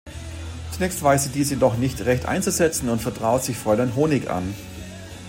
Zunächst weiß sie diese jedoch nicht recht einzusetzen und vertraut sich Fräulein Honig an.